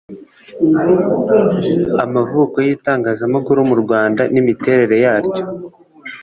amavuko y itangazamakuru mu rwanda n imiterere yaryo